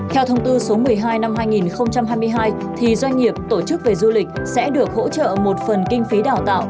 theo thông tư số một mươi hai năm hai nghìn hai mươi hai doanh nghiệp tổ chức về du lịch sẽ được hỗ trợ một phần kinh phí đào tạo